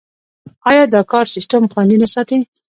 آیا دا کار سیستم خوندي نه ساتي؟